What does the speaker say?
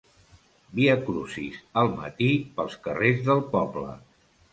Viacrucis al matí pels carrers del poble.